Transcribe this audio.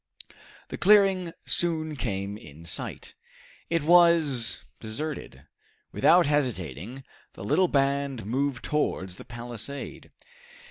The clearing soon came in sight. It was deserted. Without hesitating, the little band moved towards the palisade.